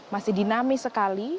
masih dinamis sekali